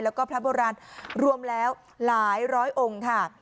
แล้วก็พระโบราณรวมแล้วหลายร้อยองค์ค่ะ